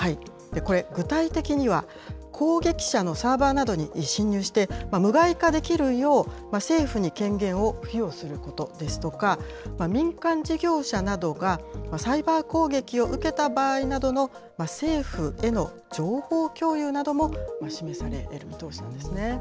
これ、具体的には攻撃者のサーバーなどに侵入して、無害化できるよう、政府に権限を付与することですとか、民間事業者などがサイバー攻撃を受けた場合などの政府への情報共有なども示される見通しなんですね。